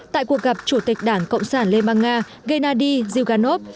tại cuộc gặp chủ tịch đảng cộng sản liên bang nga gennady zyuganov